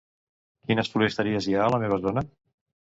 Quines floristeries hi ha a la meva zona?